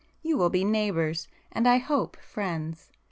You will be neighbours, and I hope, friends.